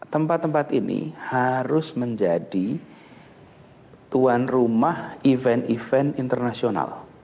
tempat tempat ini harus menjadi tuan rumah event event internasional